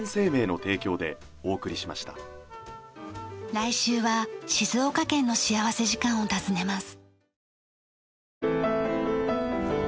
来週は静岡県の幸福時間を訪ねます。